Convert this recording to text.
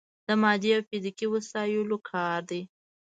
د مادي او فزیکي وسايلو کار دی.